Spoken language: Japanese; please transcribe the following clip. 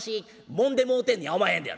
もんでもうてんねやおまへんで。